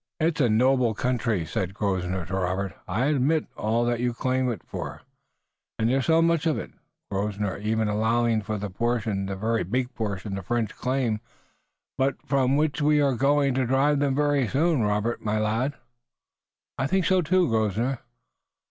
"It's a noble country," said Grosvenor to Robert. "I'll admit all that you claim for it." "And there's so much of it, Grosvenor, even allowing for the portion, the very big portion, the French claim." "But from which we are going to drive them very soon, Robert, my lad." "I think so, too, Grosvenor."